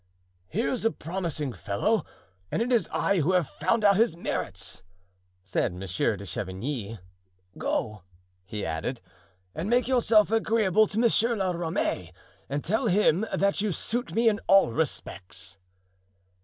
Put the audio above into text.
"Here's a promising fellow and it is I who have found out his merits," said Monsieur de Chavigny. "Go," he added, "and make yourself agreeable to Monsieur la Ramee, and tell him that you suit me in all respects."